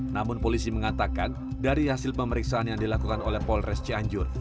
namun polisi mengatakan dari hasil pemeriksaan yang dilakukan oleh polres cianjur